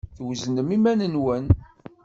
Tweznem iman-nwen?